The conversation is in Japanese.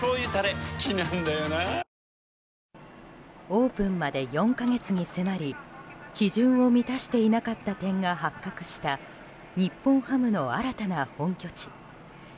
オープンまで４か月に迫り基準を満たしていなかった点が発覚した日本ハムの新たな本拠地。